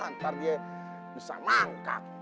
ntar dia bisa mangkak